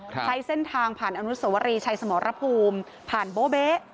ใช้เส้นทางผ่านอนุสวรีชัยสมรภูมิผ่านโบเบ๊